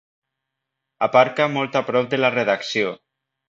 Aparca molt a prop de la redacció.